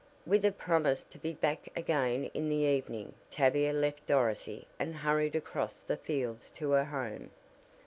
With a promise to be back again in the evening Tavia left Dorothy and hurried across the fields to her home.